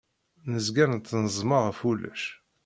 Nezga nettneẓma ɣef wulac.